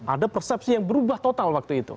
ada persepsi yang berubah total waktu itu